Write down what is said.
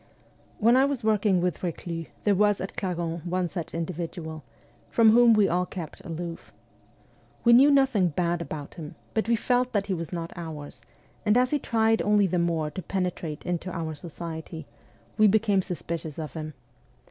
When I was working with Reclus there was at Clarens one such individual, from whom we all kept aloof. We knew nothing bad about him, but we felt that he was not ' ours,' and as he tried only the more to penetrate into our society, we became suspicious of him.